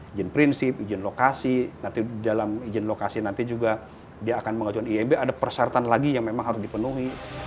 izin prinsip izin lokasi nanti dalam izin lokasi nanti juga dia akan mengajukan ieb ada persyaratan lagi yang memang harus dipenuhi